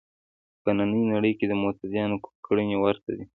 په نننۍ نړۍ کې د متدینانو کړنې ورته دي.